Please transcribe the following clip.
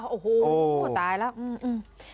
โอ้โหตายแล้ว